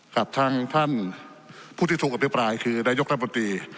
กับทางท่านผู้ที่ถูกอภิปรายคือนายกรัฐมนตรี